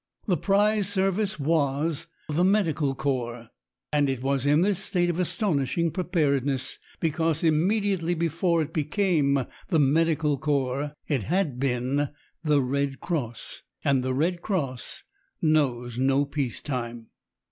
The prize service was the Medical Corps, and it was in this state of astonishing preparedness because immediately before it became the Medical Corps, it had been the Red Cross, and the Red Cross knows no peace times.